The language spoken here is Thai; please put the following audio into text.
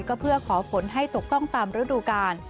ก็เพื่อขอฝนให้ตกต้องตามฤดูกาล